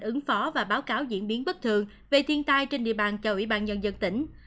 ứng phó và báo cáo diễn biến bất thường về thiên tai trên địa bàn cho ủy ban nhân dân tỉnh